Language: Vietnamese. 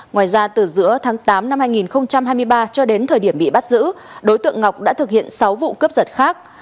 ngoài ra từ giữa tháng tám năm hai nghìn hai mươi ba cho đến thời điểm bị bắt giữ đối tượng ngọc đã thực hiện sáu vụ cướp giật khác